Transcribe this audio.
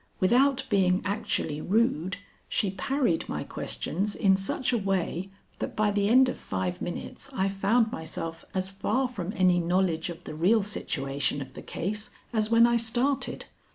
Without being actually rude, she parried my questions in such a way that by the end of five minutes I found myself as far from any knowledge of the real situation of the case as when I started.